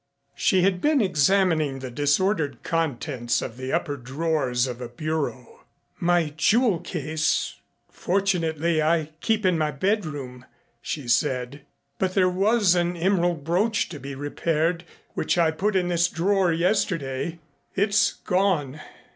She had been examining the disordered contents of the upper drawers of a bureau. "My jewel case, fortunately, I keep in my bedroom," she said, "but there was an emerald brooch to be repaired which I put in this drawer yesterday. It's gone."